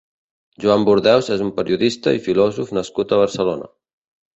Joan Burdeus és un periodista i filòsof nascut a Barcelona.